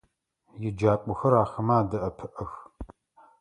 Еджакӏохэр ахэмэ адэӏэпыӏэх.